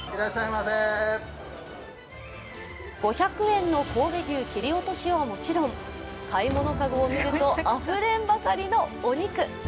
５００円の神戸牛切り落としはもちろん、買い物籠を見るとあふれんばかりのお肉。